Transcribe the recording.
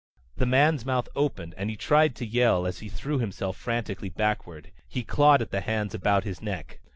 The man's mouth opened and he tried to yell as he threw himself frantically backward. He clawed at the hands about his neck.